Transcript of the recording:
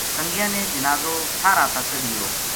سنگیاں نے جنازو ساہرا تا کَڈھیو